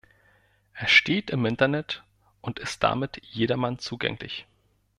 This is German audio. Er steht im Internet und ist damit jedermann zugänglich.